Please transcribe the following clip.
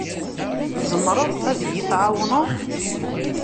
Tzemreḍ ad iyi-tɛawneḍ?